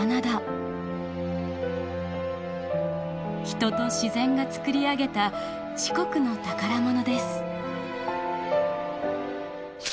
人と自然が作り上げた四国の宝物です。